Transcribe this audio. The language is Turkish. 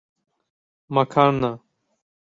Makarna.